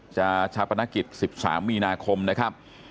ชาปนกิจ๑๓มีนาคมนะครับ